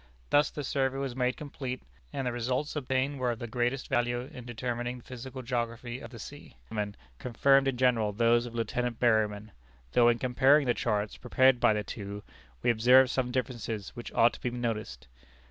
Thus the survey was made complete, and the results obtained were of the greatest value in determining the physical geography of the sea. The conclusions of Commander Dayman confirmed in general those of Lieutenant Berryman, though in comparing the charts prepared by the two, we observe some differences which ought to be noticed.